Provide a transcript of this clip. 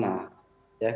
ya karena itu